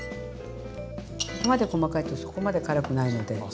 ここまで細かいとそこまで辛くないので。